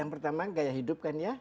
yang pertama gaya hidup kan ya